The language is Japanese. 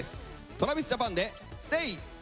ＴｒａｖｉｓＪａｐａｎで「ＳＴＡＹ」。